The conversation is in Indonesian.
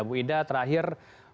bu ida terakhir